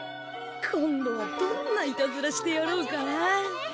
今度はどんなイタズラしてやろうかな。